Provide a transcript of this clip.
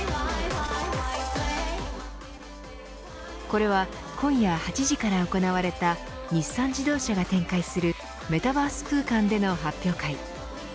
これは今夜８時から行われた日産自動車が展開するメタバース空間での発表会。